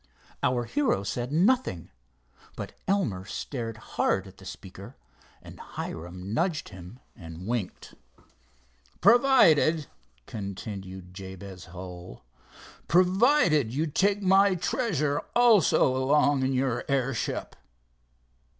Our hero said nothing, but Elmer stared hard at the speaker and Hiram nudged him and winked. "Provided," continued Jabez Hull—"provided you take my treasure also along in your airship."